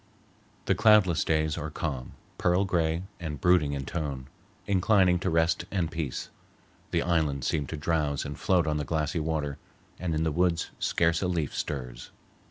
The cloudless days are calm, pearl gray, and brooding in tone, inclining to rest and peace; the islands seem to drowse and float on the glassy water, and in the woods scarce a leaf stirs.